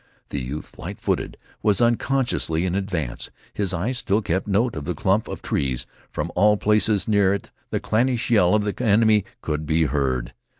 The youth, light footed, was unconsciously in advance. His eyes still kept note of the clump of trees. From all places near it the clannish yell of the enemy could be heard.